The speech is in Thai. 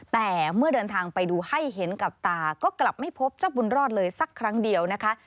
แต่เมื่อเดินทางไปดูให้เห็นกับตาก็กลับไม่พบเจ้าบุญรอดเลยสักครั้งเดียวนะคะ